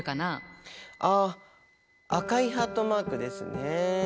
あ赤いハートマークですね。